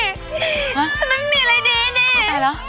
มันไม่มีอะไรดีดิ